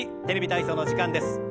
「テレビ体操」の時間です。